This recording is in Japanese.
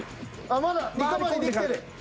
まだリカバリーできてる。